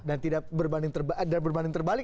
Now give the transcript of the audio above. dan tidak berbanding terbalik dengan apa yang terjadi